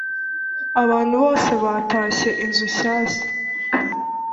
abantu bose batashye i inzu nshyashya.